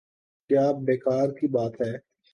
کیا بیکار کی بات ہے۔